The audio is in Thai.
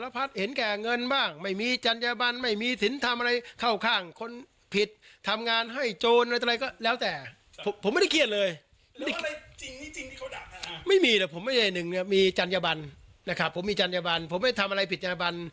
ผมไม่มีจัญญาบันผมไม่ได้ทำอะไรผิดจัญญาบัน